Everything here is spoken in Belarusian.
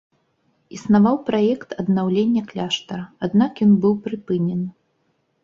Існаваў праект аднаўлення кляштара, аднак ён быў прыпынены.